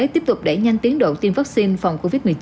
tiếp tục đẩy nhanh tiến độ tiêm vaccine phòng covid một mươi chín